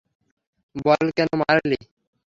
বল কেন মারলি?